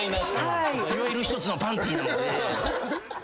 いわゆる一つのパンティーなので。